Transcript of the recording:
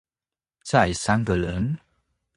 再三個人